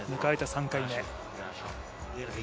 ３回目。